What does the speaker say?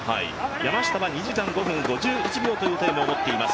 山下は２時間５分５１秒というタイムを持っています。